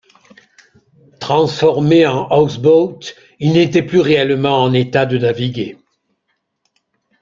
Transformé en houseboat, il n'était plus réellement en état de naviguer.